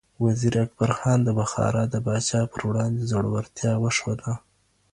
وزیر اکبر خان د بخارا د پاچا پر وړاندې زړورتیا وښوده.